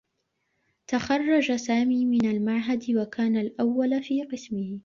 تخرّج سامي من المعهد و كان الأوّل في قسمه.